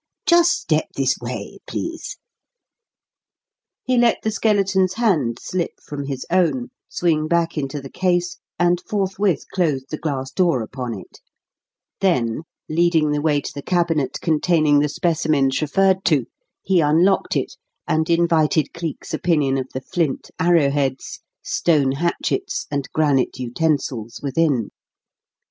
Just step this way, please." He let the skeleton's hand slip from his own, swing back into the case, and forthwith closed the glass door upon it; then, leading the way to the cabinet containing the specimens referred to, he unlocked it, and invited Cleek's opinion of the flint arrow heads, stone hatchets, and granite utensils within.